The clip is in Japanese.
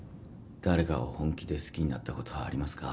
誰かを本気で好きになったことありますか？